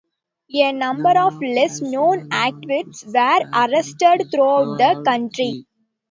A number of less known activists were arrested throughout the country.